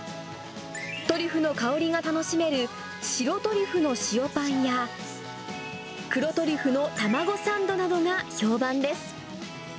トリュフの香りが楽しめる白トリュフの塩パンや、黒トリュフのタマゴサンドなどが評判です。